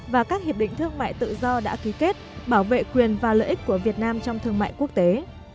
và các hiệp định thương mại tự do đã ký kết bảo vệ quyền và lợi ích của việt nam trong thương mại quốc tế